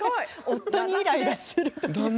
「夫にイライラする」と。